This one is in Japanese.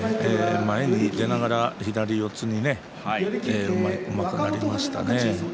前に出ながら左四つにうまくなりましたね。